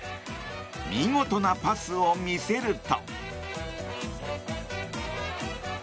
見事なパスを見せると。